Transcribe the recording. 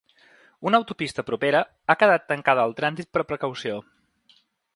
Una autopista propera ha quedat tancada al trànsit per precaució.